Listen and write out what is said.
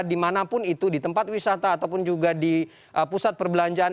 dimanapun itu di tempat wisata ataupun juga di pusat perbelanjaan